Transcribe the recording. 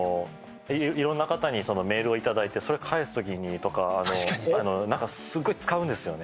色んな方にメールをいただいてそれ返す時にとかなんかすごい使うんですよね